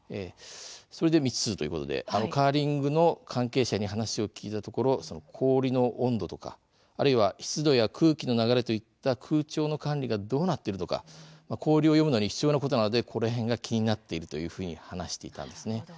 それで未知数ということでカーリングの関係者に話を聞いたところ氷の温度とか、あるいは湿度や空気の流れといった空調の管理がどうなっているか氷を読むのに必要なことなので気になっているというふうに話していました。